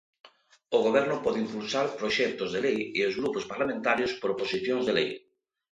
O Goberno pode impulsar proxectos de lei e os grupos parlamentarios proposicións de lei.